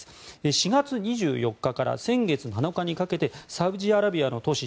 ４月２４日から先月７日にかけてサウジアラビアの都市